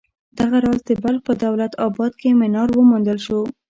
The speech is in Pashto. دغه راز د بلخ په دولت اباد کې منار وموندل شو.